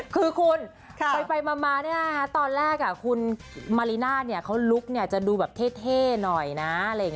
คือคุณไปมาตอนแรกคุณมาริน่าเขาลุกจะดูแบบเท่หน่อยนะ